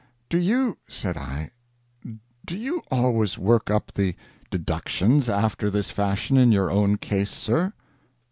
] "Do you," said I, "do you always work up the 'deductions' after this fashion in your own case, sir?"